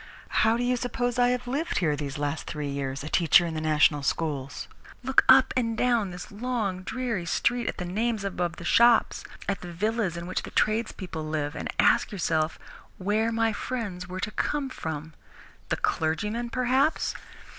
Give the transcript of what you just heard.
How do you suppose I have lived here these last three years, a teacher in the national schools? Look up and down this long, dreary street, at the names above the shops, at the villas in which the tradespeople live, and ask yourself where my friends were to come from? The clergyman, perhaps?